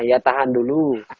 ya tahan dulu